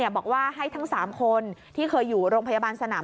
บอกว่าให้ทั้ง๓คนที่เคยอยู่โรงพยาบาลสนาม